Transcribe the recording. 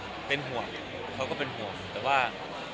ก็เป็นห่วงเขาก็เป็นห่วงแต่ว่า